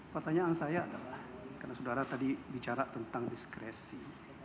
pertanyaan saya adalah karena saudara tadi bicara tentang diskresi